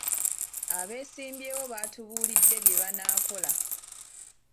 Abeesimbyewo baatubulidde bye banaakola.